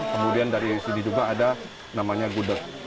kemudian dari sini juga ada namanya gudeg